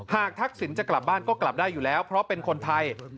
ทักษิณจะกลับบ้านก็กลับได้อยู่แล้วเพราะเป็นคนไทย